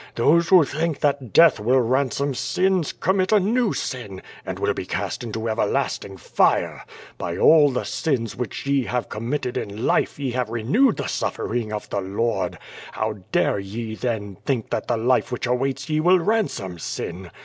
Those who think that death will ransom sins, commit a new sin and will be cast into everlasting fire. By all the sins which ye have committed in life ye have renewed the suf fering of the Lord. How dare ye, then, think that the life M'hieh awaits ye will ransom sin?